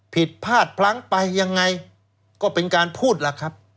ผิดพลาดพลั้งไปยังไงก็เป็นการพูดล่ะครับ